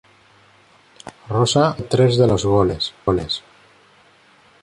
Rosa marcó tres de los goles.